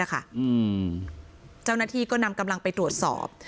เจ้าหน้าที่ก็นำกำลังไปตรวจสอบ